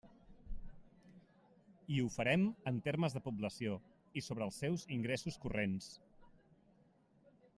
I ho farem en termes de població i sobre els seus ingressos corrents.